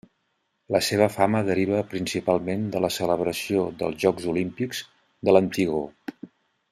La seva fama deriva principalment de la celebració dels Jocs Olímpics de l'antigor.